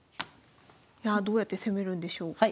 いやあどうやって攻めるんでしょうか。